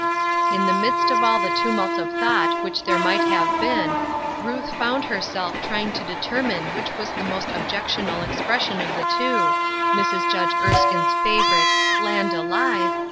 In the midst of all the tumult of thought which there might have been, Ruth found her self trying to determine which was the most objectional expression of the two, Mrs. Judge Erskine's favorite " Land alive